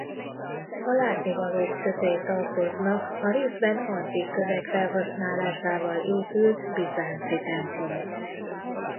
A látnivalók közé tartoznak a részben antik kövek felhasználásával épült bizánci templomok.